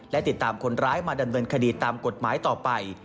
และติดตามคนร้ายมาดำเนินคดีตามกฎหมายต่อไป